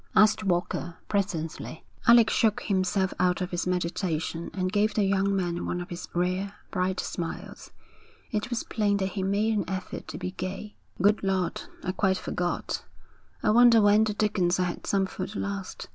asked Walker, presently. Alec shook himself out of his meditation and gave the young man one of his rare, bright smiles. It was plain that he made an effort to be gay. 'Good Lord, I quite forgot; I wonder when the dickens I had some food last.